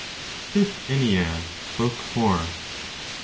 FIFTH ENNEAD, BOOK FOUR.